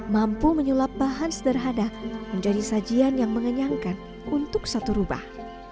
mampu menyulap bahan sederhana menjadi sajian yang mengenyangkan untuk satu rubah